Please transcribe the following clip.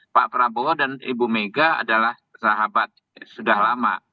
pak prabowo dan ibu mega adalah sahabat sudah lama